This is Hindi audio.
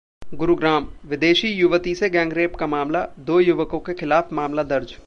गुरुग्राम: विदेशी युवती से गैंगरेप का मामला, दो युवकों के खिलाफ मामला दर्ज